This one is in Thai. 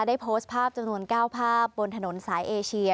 ได้โพสต์ภาพจำนวน๙ภาพบนถนนสายเอเชีย